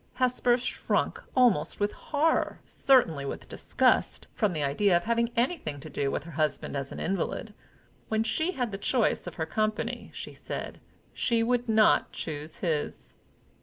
Hesper shrunk, almost with horror, certainly with disgust, from the idea of having anything to do with her husband as an invalid. When she had the choice of her company, she said, she would not choose his.